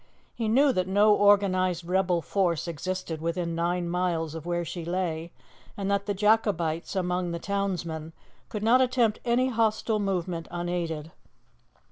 He knew that no organized rebel force existed within nine miles of where she lay, and that the Jacobites among the townsmen could not attempt any hostile movement unaided.